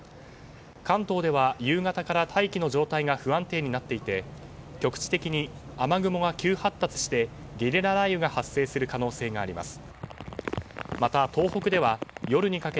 関東では夕方から大気の状態が不安定になっていて局地的に雨雲が急発達してゲリラ雷雨が発生する可能性があります。